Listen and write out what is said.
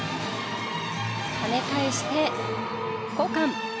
跳ね返して、交換。